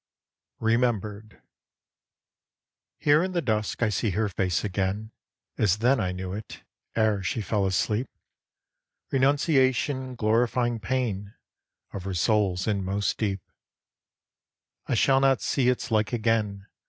REMEMBERED Here in the dusk I see her face again As then I knew it, ere she fell asleep; Renunciation glorifying pain Of her soul's inmost deep. I shall not see its like again!